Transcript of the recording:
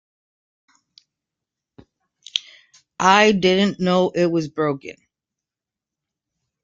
I Didn't Know It Was Broken!